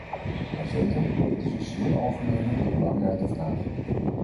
Jazeker, dit is een zeer algemene en belangrijke vraag.